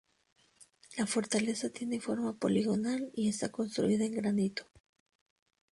La fortaleza tiene forma poligonal y está construida en granito.